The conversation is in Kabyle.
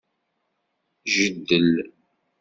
Jeddel.